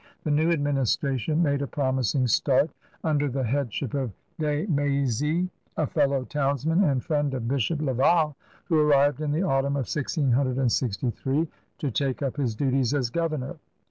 The new administration made a promising start under the headship of De M6zy, a fellow townsman and friend of Bishop Laval, who arrived in the autumn of 1663 to take up his duties as governor.